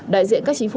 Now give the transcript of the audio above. đại diện các chính phủ